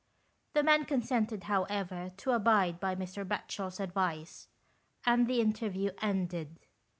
The man consented, however, to abide by Mr. Batchel's advice, and the interview ended.